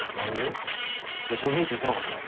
化粧品って言ってなかったっけ？